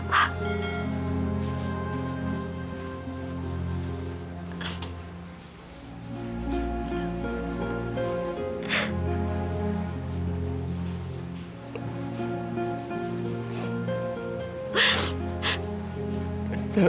maafin talitha pak